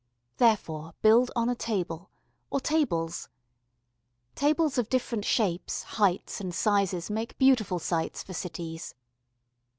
Therefore build on a table or tables. Tables of different shapes, heights, and sizes make beautiful sites for cities.